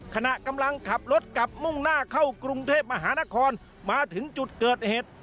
ขณะกำลังขับรถกลับมุ่งหน้าเข้ากรุงเทพมหานครมาถึงจุดเกิดเหตุ